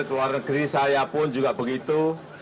keluar negeri saya pun juga begitu